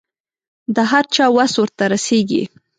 د هر چا وس ورته رسېږي.